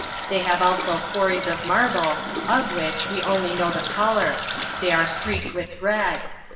They have also quar ries of marble > of which . we only know the colour; they are S3 JOURNAL OF streaked with read.